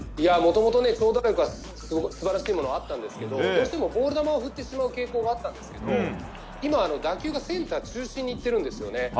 もともと素晴らしいものがあったんですけどどうしてもボール球を振ってしまう傾向があったんですけど今は打球がセンター中心にいってるんですよね。